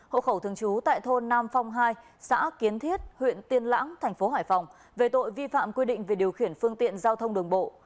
hộ khẩu thường trú tại thôn nam phong hai xã kiến thiết huyện tiên lãng thành phố hải phòng về tội vi phạm quy định về điều khiển phương tiện giao thông đường bộ